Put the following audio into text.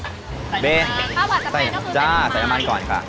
ข้าวผัดสเปนก็คือใส่น้ำมันใส่น้ำมันก่อนค่ะ